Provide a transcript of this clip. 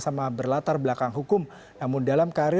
sampai jumpa lagi